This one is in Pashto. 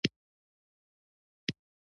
د جنتري له مخې سبا ورځ د پلار لپاره ځانګړې شوې